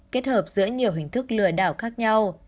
kết hợp giữa nhiều hình thức lừa đảo khác nhau